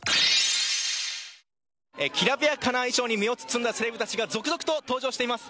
きらびやかな衣装に身を包んだセレブたちが続々と登場しています。